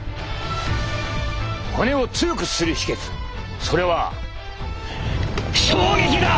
骨を強くする秘けつそれは衝撃だ！